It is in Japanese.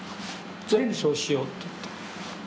全部そうしようっていって。